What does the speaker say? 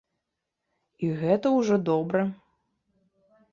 І гэта ўжо добра.